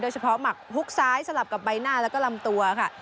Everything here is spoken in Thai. เฉพาะหมักฮุกซ้ายสลับกับใบหน้าแล้วก็ลำตัวค่ะ